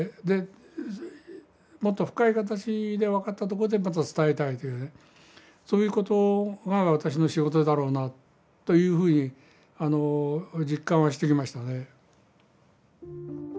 もっと深い形で分かったとこでまた伝えたいというねそういうことが私の仕事だろうなというふうに実感はしてきましたね。